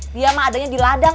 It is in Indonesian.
dia mah adanya di ladang